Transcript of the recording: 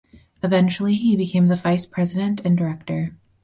Eventually he became the vice president and director.